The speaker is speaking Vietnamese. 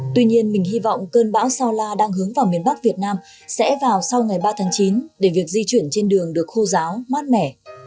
tuy nhiên mình hy vọng cơn bão sao la đang hướng vào miền bắc việt nam sẽ vào sau ngày ba tháng chín để việc di chuyển trên đường được khô giáo mát mẻ